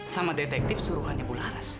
sama detektif suruhannya bularas